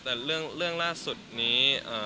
แต่เรื่องลื่อดนี